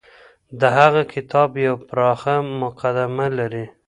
د هغه کتاب يوه پراخه مقدمه لري.